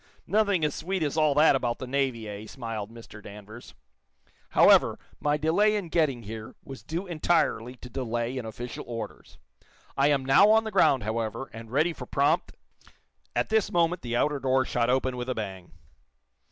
"Nothing as sweet as all that about the Navy, eh?" smiled Mr. Danvers. "However, my delay in getting here was due entirely to delay in official orders. I am now on the ground, however, and ready for prompt " At this moment the outer door shot open with a bang.